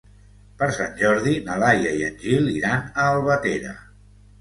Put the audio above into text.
Per Sant Jordi na Laia i en Gil iran a Albatera.